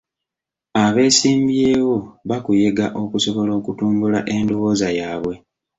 Abeesimbyewo bakuyega okusobola okutumbula endowooza yaabwe.